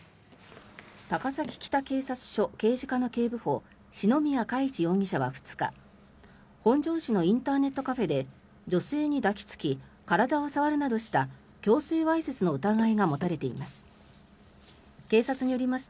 高崎北警察署刑事課の警部補篠宮嘉一容疑者は２日本庄市のインターネットカフェで女性に抱きつき体を触るなどした強制わいせつの疑いが持たれています。